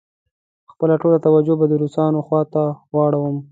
خپله ټوله توجه به د روسانو خواته واړوم.